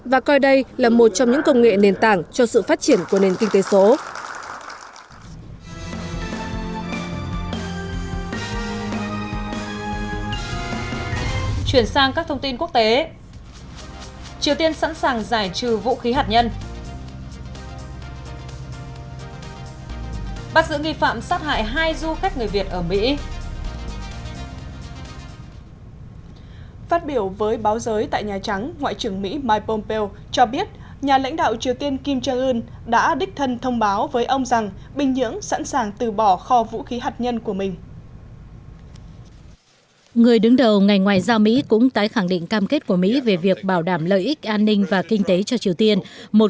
và coi đây là một trong những công nghệ nền tảng cho sự phát triển của nền kinh tế số